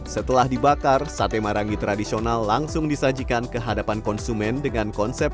setelah dibakar sate marangi tradisional langsung disajikan ke hadapan konsumen dengan konsep